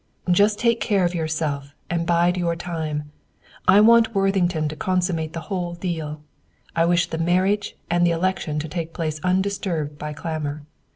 "Just take care of yourself and bide your time! I want Worthington to consummate the whole deal. I wish the marriage and the election to take place undisturbed by clamor.